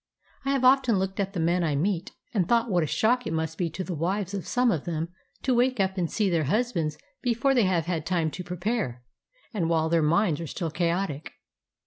I have often looked at the men I meet and thought what a shock it must be to the wives of some of them to wake up and see their husbands before they have had time to prepare, and while their minds are still chaotic.